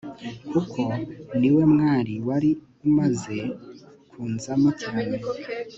kuko niwe mwari wari umaze kunzamo cyane